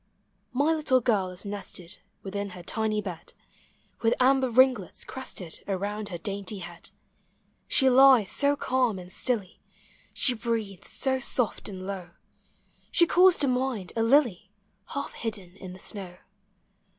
My little girl is nested Within her tiny bed, With amber ringlets crested Around her dainty head; She lies so calm and stilly, She breathes so soft and low, She calls to mind a lily Half hidden in the snow.